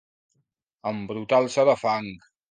Embrutar-se de fang.